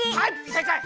せいかい！